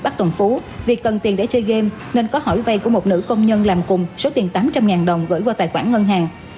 bắt tuần phú vì cần tiền để chơi game nên có hỏi vay của một nữ công nhân làm cùng số tiền tám trăm linh đồng gửi qua tài khoản ngân hàng